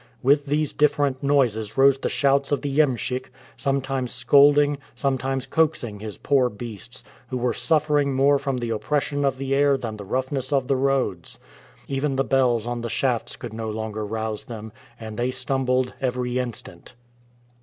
With these different noises rose the shouts of the iemschik, sometimes scolding, sometimes coaxing his poor beasts, who were suffering more from the oppression of the air than the roughness of the roads. Even the bells on the shafts could no longer rouse them, and they stumbled every instant.